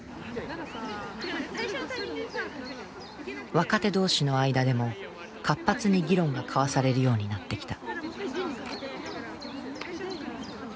若手同士の間でも活発に議論が交わされるようになってきた。